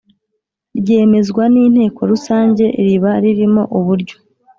ryemezwa n Inteko Rusange Riba ririmo uburyo